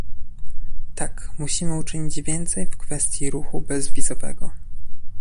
Tak, musimy uczynić więcej w kwestii ruchu bezwizowego